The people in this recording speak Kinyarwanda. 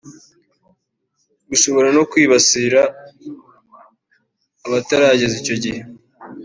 bushobora no kwibasira abatarageza icyo gihe